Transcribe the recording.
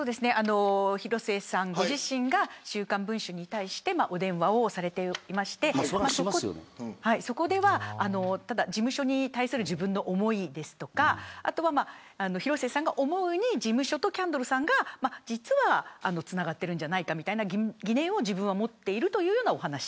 広末さん自身が週刊文春に対して電話をされていてそこでは事務所に対する自分の思いとか広末さんが思うに事務所とキャンドルさんが実はつながっているんじゃないかという疑念を自分は持っているというお話。